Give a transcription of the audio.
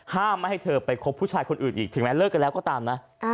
ไม่ให้เธอไปคบผู้ชายคนอื่นอีกถึงแม้เลิกกันแล้วก็ตามนะ